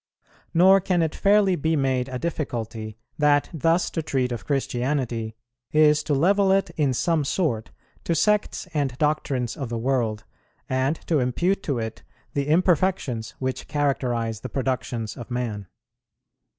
Nor can it fairly be made a difficulty that thus to treat of Christianity is to level it in some sort to sects and doctrines of the world, and to impute to it the imperfections which characterize the productions of man.